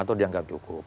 atau dianggap cukup